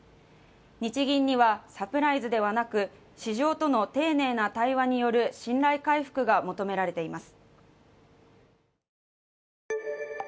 日銀にはサプライズではなく市場との丁寧な対話による信頼回復が求められています